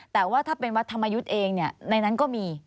แต่ว่าถ้าเป็นวัดธรรมยุทธ์เองในนั้นก็มี